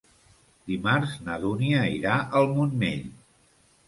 Dimarts na Dúnia irà al Montmell.